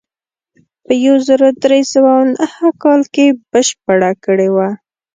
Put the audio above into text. په یو زر درې سوه نهه کال کې بشپړه کړې وه.